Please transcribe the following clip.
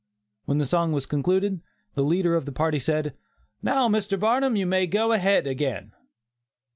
When the song was concluded, the leader of the party said: "Now, Mr. Barnum, you may go ahead again."